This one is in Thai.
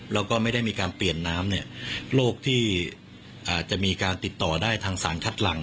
แล้วก็ไม่ได้มีการเปลี่ยนน้ำโรคที่อาจจะมีการติดต่อได้ทางสารคัดหลัง